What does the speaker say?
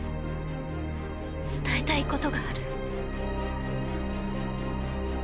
伝えたいことがある。